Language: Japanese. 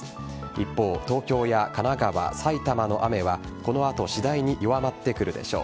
一方、東京や神奈川埼玉の雨はこの後次第に弱まってくるでしょう。